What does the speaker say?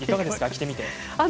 着てみて。